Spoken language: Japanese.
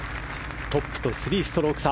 トップと３ストローク差。